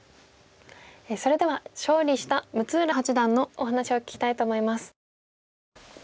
それでは勝利した六浦八段のお話を聞きたいと思います。